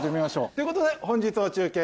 ということで本日の中継